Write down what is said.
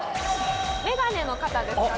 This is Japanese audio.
メガネの方ですかね。